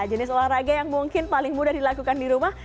jenis olahraga yang mungkin paling mudah dilakukan di rumah